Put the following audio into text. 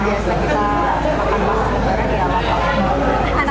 nggak ada yang